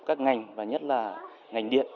các ngành và nhất là ngành điện